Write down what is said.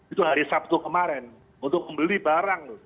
itu hari sabtu kemarin untuk membeli barang